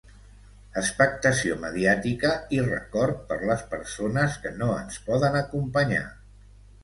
Expectació mediàtica i record per les persones que no ens poden acompanyar.